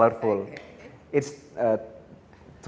merah kuning biru